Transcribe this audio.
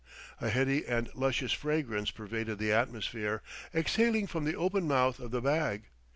A heady and luscious fragrance pervaded the atmosphere, exhaling from the open mouth of the bag.